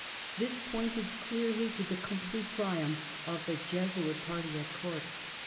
This pointed clearly to the complete triumph of the Jesuit party at court.